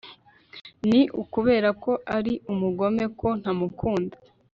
Ni ukubera ko ari umugome ko ntamukunda